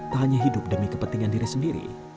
tak hanya hidup demi kepentingan diri sendiri